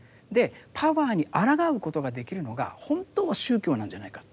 パワーにあらがうことができるのが本当は宗教なんじゃないかって。